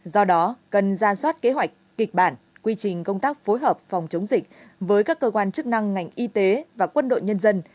do đó cần ra soát kế hoạch kịch bản quy trình công tác phối hợp phòng chống dịch với các cơ quan chức năng ngành y tế và quân đội nhân dân